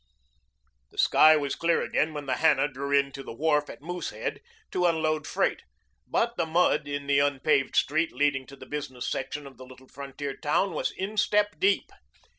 The sky was clear again when the Hannah drew in to the wharf at Moose Head to unload freight, but the mud in the unpaved street leading to the business section of the little frontier town was instep deep.